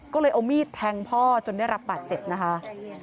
ก็เลยเอามีดแทงพ่อจนได้รับบาดเจ็บนะคะ